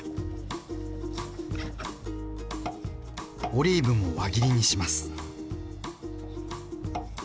オリーブも輪切りにします。